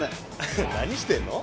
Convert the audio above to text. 何してんの？